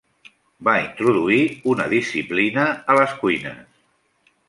Va introduir una disciplina en les cuines.